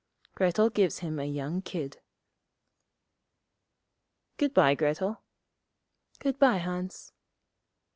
Grettel gives him a young kid. 'Good bye, Grettel.' 'Good bye, Hans.'